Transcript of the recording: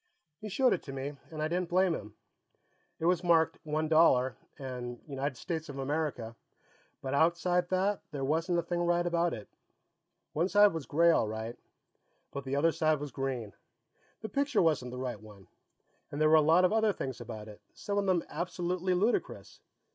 He showed it to me, and I didn't blame him. It was marked One Dollar, and United States of America, but outside that there wasn't a thing right about it. One side was gray, all right, but the other side was green. The picture wasn't the right one. And there were a lot of other things about it, some of them absolutely ludicrous.